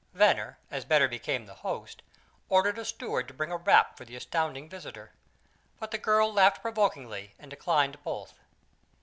Venner, as better became the host, ordered a steward to bring a wrap for the astounding visitor, but the girl laughed provokingly and declined both.